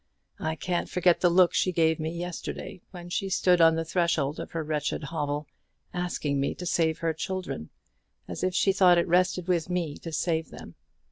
I can't forget the look she gave me yesterday, when she stood on the threshold of her wretched hovel, asking me to save her children, as if she thought it rested with me to save them.